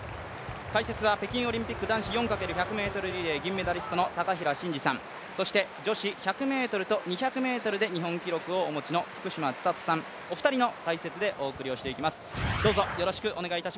解説は北京オリンピック男子４×１００ｍリレー銀メダリストの高平慎士さん、そして女子１００ｍと２００ｍで日本記録をお持ちの木村文子さん、お二人の解説でお送りしていきます。